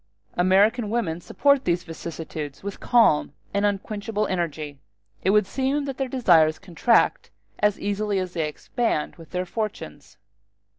American women support these vicissitudes with calm and unquenchable energy: it would seem that their desires contract, as easily as they expand, with their fortunes.